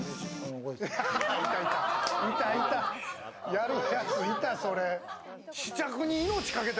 やるやついた、それ。